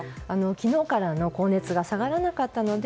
昨日からの高熱が下がらなかったので